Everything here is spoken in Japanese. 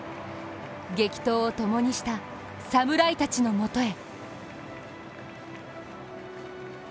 激闘を共にした侍たちのもとへ。